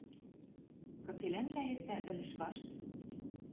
Кыцелӓнлӓ эртӓ ӹлӹш вашт?..